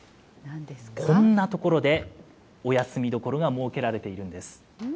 こんな所でお休み処が設けられているんです。